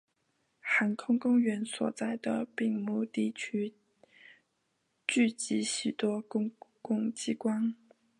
航空公园所在的并木地区聚集许多公共机关。